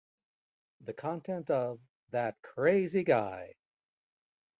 The content of That Crazy Guy!